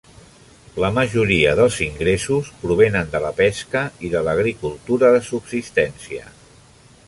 La majoria dels ingressos provenen de la pesca i de l'agricultura de subsistència.